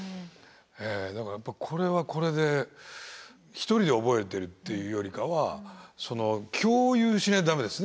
だからやっぱこれはこれで１人で覚えてるっていうよりかは共有しないと駄目ですね。